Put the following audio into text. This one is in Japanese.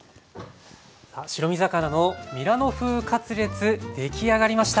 さあ白身魚のミラノ風カツレツ出来上がりました。